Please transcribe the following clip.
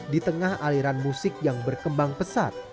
di tengah aliran musik yang berkembang pesat